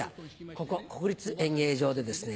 ここ国立演芸場でですね